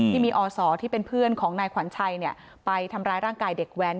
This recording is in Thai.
อศที่เป็นเพื่อนของนายขวัญชัยไปทำร้ายร่างกายเด็กแว้น